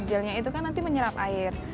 kecilnya itu kan nanti menyerap air